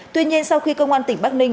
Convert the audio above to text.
tuy nhiên sau khi công an tỉnh bắc ninh